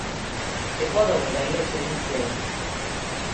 Ekuadorrera ihes egin zuen.